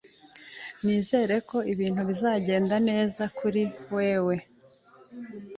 Nizere ko ibintu bizagenda neza kuri wewe.